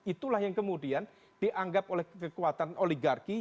itulah yang kemudian dianggap oleh kekuatan oligarki